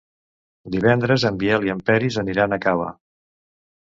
Divendres en Biel i en Peris aniran a Cava.